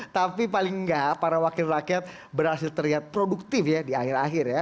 tapi paling enggak para wakil rakyat berhasil terlihat produktif ya di akhir akhir ya